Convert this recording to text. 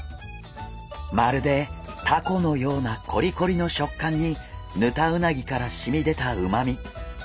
まるでタコのようなコリコリの食感にヌタウナギからしみ出たうまみ。